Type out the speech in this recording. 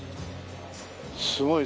すごい。